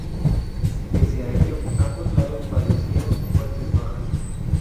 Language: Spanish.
Pese a ello, ambos lados padecieron fuertes bajas.